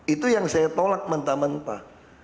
itu yang saya tolak mentah mentah